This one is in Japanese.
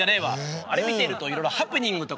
あれ見てるといろいろハプニングとか起きますよね。